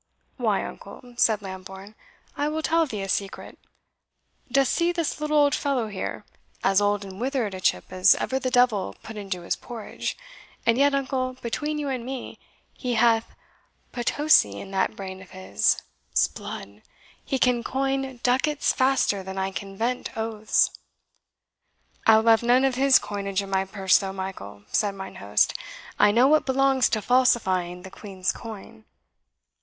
"Why, uncle," said Lambourne, "I will tell thee a secret. Dost see this little old fellow here? as old and withered a chip as ever the devil put into his porridge and yet, uncle, between you and me he hath Potosi in that brain of his 'sblood! he can coin ducats faster than I can vent oaths." "I will have none of his coinage in my purse, though, Michael," said mine host; "I know what belongs to falsifying the Queen's coin."